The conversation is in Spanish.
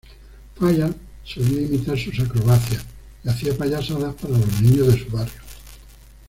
Fayard solía imitar sus acrobacias y hacía payasadas para los niños de su barrio.